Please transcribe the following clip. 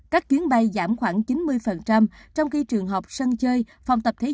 các chuyến bay giảm khoảng chín mươi trong khi trường học sân chơi phòng tập thế